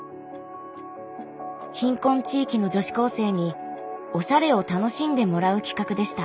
貧困地域の女子高生におしゃれを楽しんでもらう企画でした。